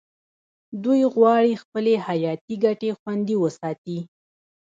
دوی غواړي خپلې حیاتي ګټې خوندي وساتي